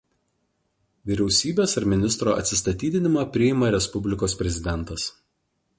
Vyriausybės ar ministro atsistatydinimą priima Respublikos Prezidentas.